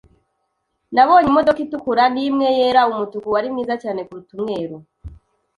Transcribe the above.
Nabonye imodoka itukura nimwe yera. Umutuku wari mwiza cyane kuruta umweru.